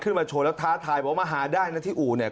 มาโชว์แล้วท้าทายบอกว่ามาหาได้นะที่อู่เนี่ย